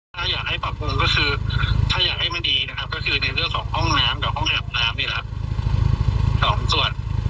ถ้าอยากให้ปรับปรุงก็คือถ้าอยากให้มันดีนะครับก็คือในเรื่องของห้องน้ำกับห้องระดับน้ำนี่แหละสองส่วน